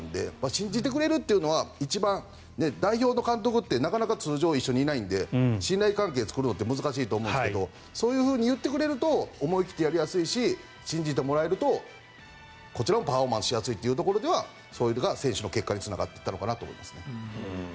信じてくれるっていうのは一番代表の監督ってなかなか通常、一緒にいないので信頼関係を作るのって難しいと思うんですけどそういうふうに言ってくれると思い切ってやりやすいし信じてもらえるとこちらもパフォーマンスしやすいというところではそれが選手の結果につながっていったのかなと思いますね。